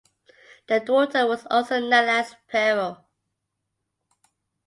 The daughter was also known as Pero.